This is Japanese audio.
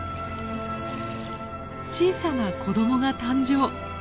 小さな子どもが誕生。